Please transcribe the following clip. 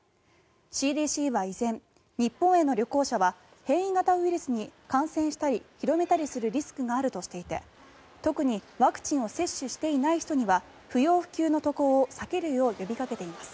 ＣＤＣは依然、日本への旅行者は変異ウイルスに感染したり広めたりするリスクがあるとしていて特にワクチンを接種していない人には不要不急の渡航を避けるよう呼びかけています。